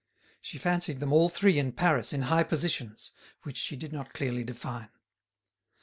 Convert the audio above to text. She fancied them all three in Paris in high positions, which she did not clearly define.